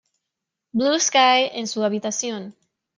Blue Sky" en su habitación.